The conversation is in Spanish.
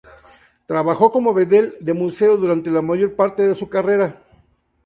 Trabajó como bedel de museo durante la mayor parte de su carrera.